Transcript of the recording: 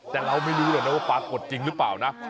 แต่เราไม่รู้หรอกนะว่าปรากฏจริงหรือเปล่านะ